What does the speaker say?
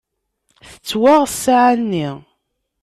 Tettwaɣ ssaɛa-nni.